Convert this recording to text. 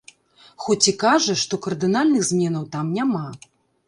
Хоць і кажа, што кардынальных зменаў там няма.